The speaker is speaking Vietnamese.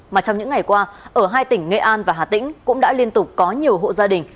mà trong những ngày qua ở hai tỉnh nghệ an và hà tĩnh cũng đã liên tục có nhiều hộ gia đình